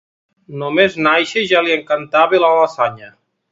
Només nàixer ja li encantava la lasanya.